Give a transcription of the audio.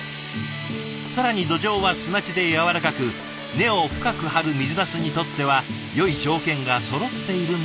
更に土壌は砂地でやわらかく根を深く張る水なすにとってはよい条件がそろっているんだとか。